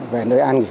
về nơi ăn ăn